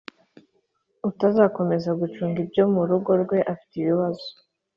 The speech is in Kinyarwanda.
utazakomeza gucunga ibyo mu rugo rwe afite ibibazo